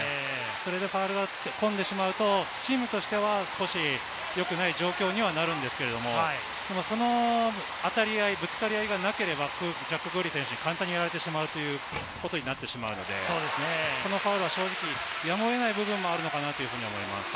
ファウルが立て込んでしまうとチームとしては良くない状況にはなるんですけど、その当たり合いがなければクーリー選手に簡単にやられてしまうことになってしまうので、そのファウルは正直、やむを得ない部分もあるのかなと思います。